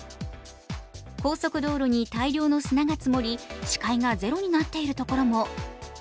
高速道路に大量の砂が積もり、視界がゼロになっているところも。